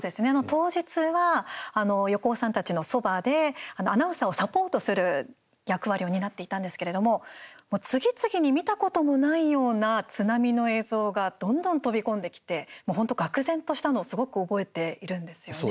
当日は横尾さんたちのそばでアナウンサーをサポートする役割を担っていたんですけれども次々に見たこともないような津波の映像がどんどん飛び込んできて本当がく然としたのをすごく覚えているんですよね。